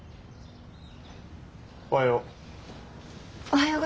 おはよう。